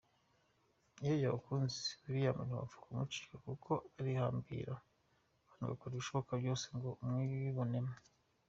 Iyo yagukunze, William ntiwapfa kumucika kuko arihambira kandi agakora ibishoboka byose ngo umwibonemo.